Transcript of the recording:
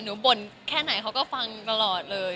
บ่นแค่ไหนเขาก็ฟังตลอดเลย